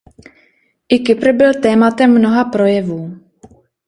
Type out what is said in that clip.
I Kypr byl tématem mnoha projevů.